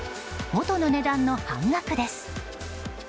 元の値段の半額です。